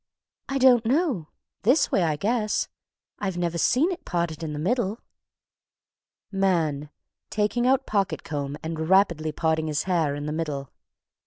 "I don't know this way, I guess. I've never seen it parted in the middle." MAN. (_Taking out pocket comb and rapidly parting his hair in the middle.